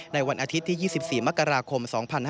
วันอาทิตย์ที่๒๔มกราคม๒๕๕๙